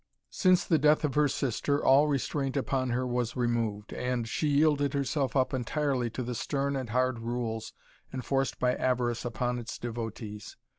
Since the death of her sister all restraint upon her was removed, and she yielded herself up entirely to the stern and hard rules enforced by avarice upon its devotees.